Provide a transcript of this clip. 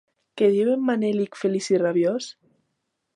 Què diu en Manelic feliç i rabiós?